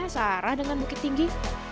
sampai jumpa lagi